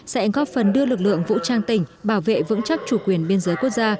sẽ góp phần đưa lực lượng vũ trang tỉnh bảo vệ vững chắc chủ quyền biên giới quốc gia